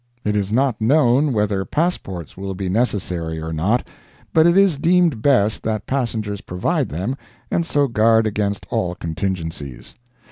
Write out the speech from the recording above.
It is not known whether passports will be necessary or not, but it is deemed best that passengers provide them, and so guard against all contingencies.